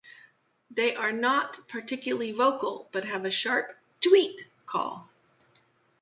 They are not particularly vocal but have a sharp "chweet" call.